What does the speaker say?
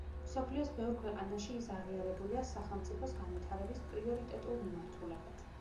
მსოფლიოს ბევრ ქვეყანაში ის აღიარებულია სახელმწიფოს განვითარების პრიორიტეტულ მიმართულებად.